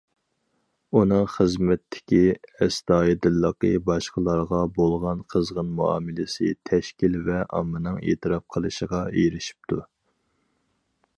ئۇنىڭ خىزمەتتىكى ئەستايىدىللىقى، باشقىلارغا بولغان قىزغىن مۇئامىلىسى تەشكىل ۋە ئاممىنىڭ ئېتىراپ قىلىشىغا ئېرىشىپتۇ.